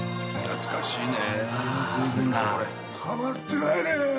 懐かしのね。